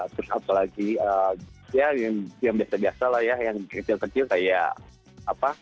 terus apalagi ya yang biasa biasa lah ya yang kecil kecil kayak apa